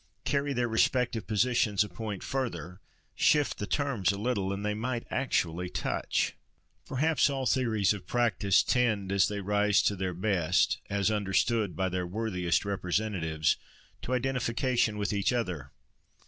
Carry their respective positions a point further, shift the terms a little, and they might actually touch. Perhaps all theories of practice tend, as they rise to their best, as understood by their worthiest representatives, to identification with each other.